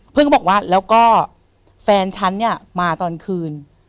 ก็บอกว่าแล้วก็แฟนฉันเนี่ยมาตอนคืน